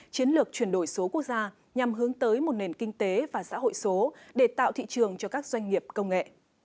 chiến lược chuyển đổi số quốc gia nhằm hướng tới một nền kinh tế và xã hội số để tạo thị trường cho các doanh nghiệp công nghệ